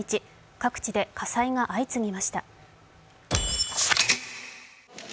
各地で火災が相次ぎました。